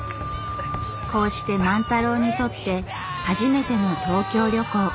こうして万太郎にとって初めての東京旅行。